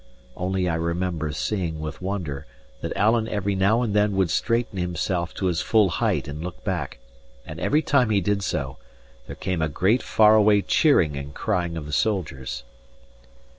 Only I remember seeing with wonder, that Alan every now and then would straighten himself to his full height and look back; and every time he did so, there came a great far away cheering and crying of the soldiers.